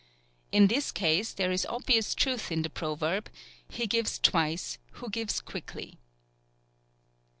In this case there is obvious truth in the proverb, "He gives twice who gives quickly."